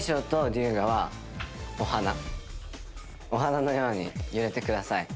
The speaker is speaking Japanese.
お花のように揺れてください。